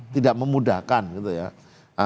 tidak memudahkan gitu ya